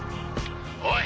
「おい！